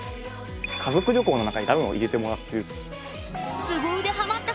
家族旅行の中にダムも入れてもらってる。